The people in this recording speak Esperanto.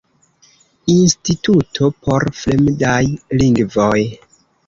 Instituto por fremdaj lingvoj.